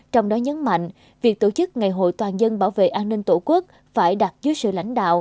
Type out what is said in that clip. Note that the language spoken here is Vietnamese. trong đó nhấn mạnh việc tổ chức ngày hội toàn dân bảo vệ an ninh tổ quốc phải đặt dưới sự lãnh đạo